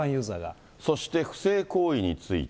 そして不正行為について。